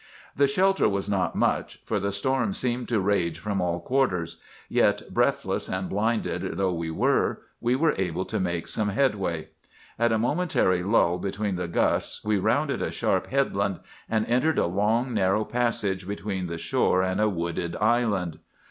"The shelter was not much, for the storm seemed to rage from all quarters; yet, breathless and blinded though we were, we were able to make some headway. At a momentary lull between the gusts we rounded a sharp headland, and entered a long, narrow passage between the shore and a wooded island.